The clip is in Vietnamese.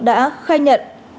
đã khai nhận